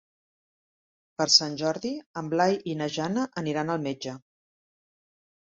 Per Sant Jordi en Blai i na Jana aniran al metge.